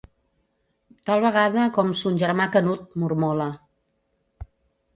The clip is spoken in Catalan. Tal vegada com son germà Canut, mormola.